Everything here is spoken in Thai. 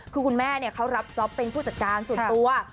คือคุณแม่เขารับจ๊อปเป็นผู้จัดการส่วนตัว